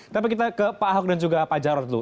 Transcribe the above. tapi kita ke pak ahok dan juga pak jarod dulu